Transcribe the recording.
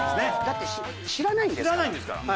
だって知らないんですから。